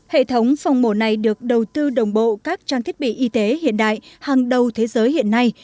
hệ thống phòng mổ này được đầu tư đồng bộ các trang thiết bị y tế hiện đại hàng đầu thế giới hiện nay